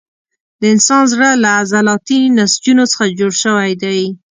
د انسان زړه له عضلاتي نسجونو څخه جوړ شوی دی.